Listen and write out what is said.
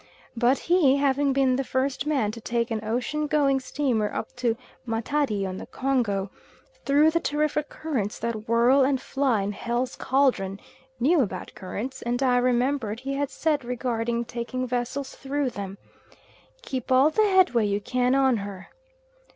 But he having been the first man to take an ocean going steamer up to Matadi on the Congo, through the terrific currents that whirl and fly in Hell's Cauldron, knew about currents, and I remembered he had said regarding taking vessels through them, "Keep all the headway you can on her."